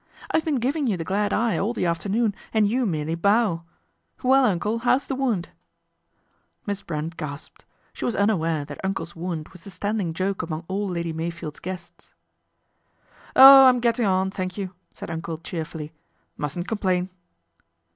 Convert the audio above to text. ''I've been giving you the glad eye all the afternoon and you merely bow. Well, Uncle, how's the wound ?" Miss Brent gasped. She was unaware that Uncle's wound was the standing joke among all Lady Meyfield's guests. " Oh ! I'm gettin' on, thank you," said Uncle cheerfully. " Mustn't complain."